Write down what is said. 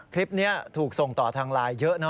คลิปนี้ถูกส่งต่อทางลายเยอะเนอะ